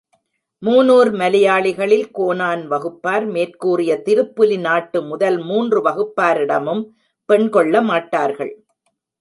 Moonur மலையாளிகளில் Konan வகுப்பார், மேற்கூறிய திருப்புலி நாட்டு முதல் மூன்று வகுப்பாரிடமும் பெண் கொள்ளமாட்டார்கள்.